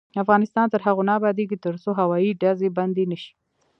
افغانستان تر هغو نه ابادیږي، ترڅو هوایي ډزې بندې نشي.